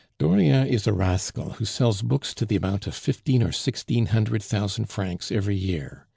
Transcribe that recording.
"Dauriat is a rascal who sells books to the amount of fifteen or sixteen hundred thousand francs every year.